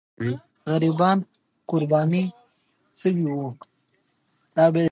غریبان قرباني سوي وو.